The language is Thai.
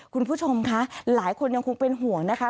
คุณผู้ชมคะหลายคนยังคงเป็นห่วงนะคะ